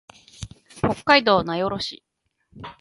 北海道名寄市